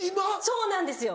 そうなんですよ。